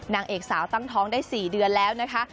นางเอกสาวตั้งท้องได้๔เดือนแล้วนะคะ